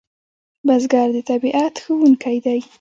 بزګر د طبیعت ښوونکی دی